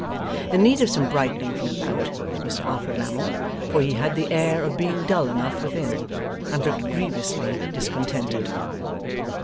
In need of some brightening from without, was Mr Alfred Lammle, for he had the air of being dull enough within, and looked grievously discontented.